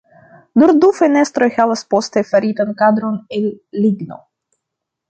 Nur du fenestroj havas poste faritan kadron el ligno.